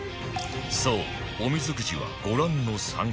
そうおみずくじはご覧の３種類